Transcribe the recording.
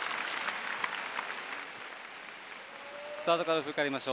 スタートから振り返ります。